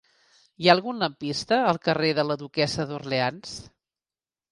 Hi ha algun lampista al carrer de la Duquessa d'Orleans?